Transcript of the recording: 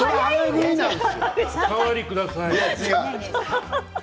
お代わりください。